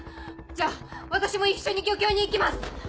じゃあ私も一緒に漁協に行きます！